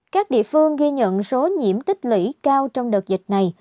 các địa phương ghi nhận số nhiễm tích lũy cao trong đợt dịch này